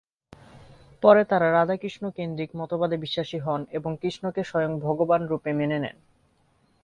পরে তারা রাধাকৃষ্ণ-কেন্দ্রিক মতবাদে বিশ্বাসী হন এবং কৃষ্ণকে স্বয়ং ভগবান রূপে মেনে নেন।